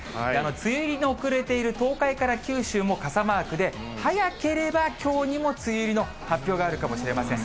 梅雨入りの遅れている東海から九州も傘マークで、早ければきょうにも梅雨入りの発表があるかもしれません。